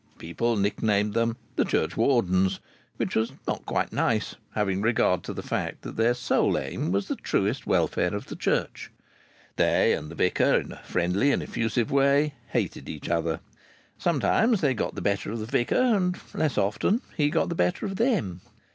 People nicknamed them "the churchwardens," which was not quite nice, having regard to the fact that their sole aim was the truest welfare of the church. They and the vicar, in a friendly and effusive way, hated each other. Sometimes they got the better of the vicar, and, less often, he got the better of them.